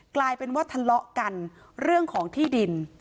กลายเป็นว่าทะเลาะกันเรื่องของที่ดิน